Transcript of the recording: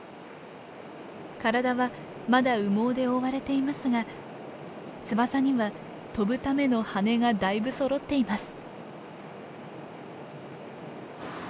体はまだ羽毛で覆われていますが翼には飛ぶための羽根がだいぶそろっています。